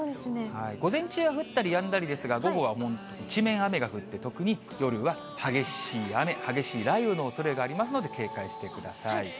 午前中は降ったりやんだりですが、午後はもう一面雨が降って、特に夜は激しい雨、激しい雷雨のおそれがありますので、警戒してください。